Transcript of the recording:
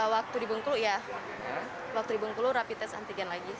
waktu di bengkulu ya waktu di bengkulu rapi tes antigen lagi